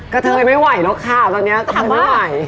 ก็เธอไม่ไหวหรอกค่ะตอนนี้เธอไม่ไหว